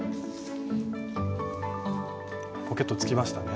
ポケットつきましたね。